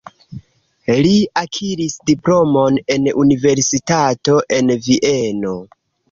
Li akiris diplomon en universitato en Vieno.